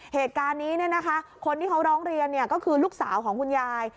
เหตุการณ์นี้คนที่เขาร้องเรียนก็คือลูกสาวของคุณยาย